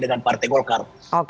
dengan partai golkar